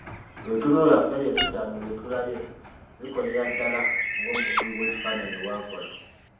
Ebitundu byaffe ebyo ebitaano bye tulabye, bikolera ddala ng'omukubi w'ekifaananyi bw'akola.